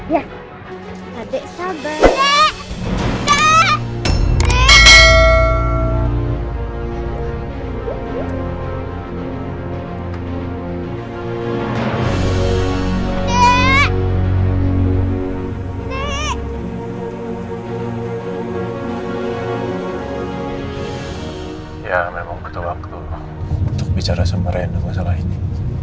ya memang betul waktu untuk bicara sama ren masalah ini